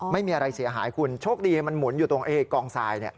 ไม่มีอะไรเสียหายคุณโชคดีมันหมุนอยู่ตรงกองทราย